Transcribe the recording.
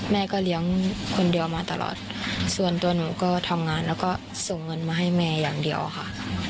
แม่ก็เลี้ยงคนเดียวมาตลอดส่วนตัวหนูก็ทำงานแล้วก็ส่งเงินมาให้แม่อย่างเดียวค่ะ